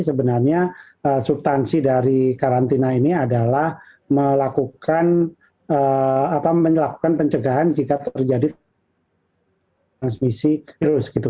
sebenarnya subtansi dari karantina ini adalah melakukan pencegahan jika terjadi transmisi virus gitu